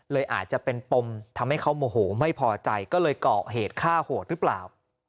เลยอาจจะเป็นปมทำให้เขาโมโหไม่พอใจก็เลยเกาะเหตุฆ่าโหดหรือเปล่า